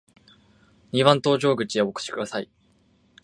二番搭乗口へお越しください。